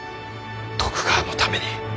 徳川のために。